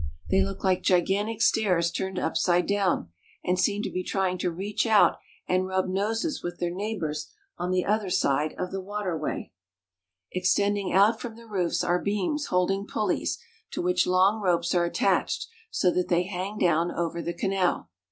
They look like gigantic stairs turned upside down, and seem to be trying to reach out and rub noses with their neighbors on the other side of the water way. Ex tending out from the roofs are beams holding pulleys, to which long ropes are attached so that they hang down over the canal.